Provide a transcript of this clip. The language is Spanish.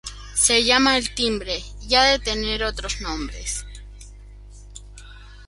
Se llama el timbre y ha de tener otros nombres.